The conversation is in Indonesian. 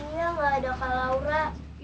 sepertinya gak ada kak laura